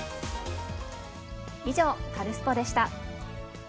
以上、カルスポっ！でした。